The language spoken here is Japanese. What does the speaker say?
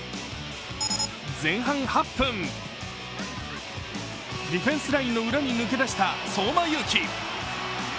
前半８分、ディフェンスラインの裏に抜け出した相馬勇紀。